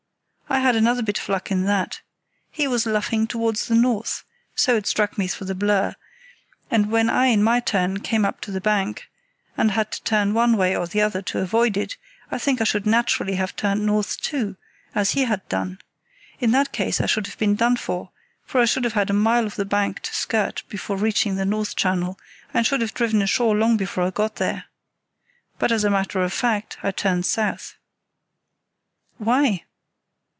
I had another bit of luck in that. He was luffing towards the north—so it struck me through the blur—and when I in my turn came up to the bank, and had to turn one way or the other to avoid it, I think I should naturally have turned north too, as he had done. In that case I should have been done for, for I should have had a mile of the bank to skirt before reaching the north channel, and should have driven ashore long before I got there. But as a matter of fact I turned south." "Why?"